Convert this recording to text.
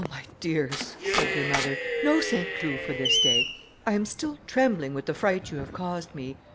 "Oh, my dears," said their mother, "no Saint Cloud for this day. I am still trembling with the fright you have caused me.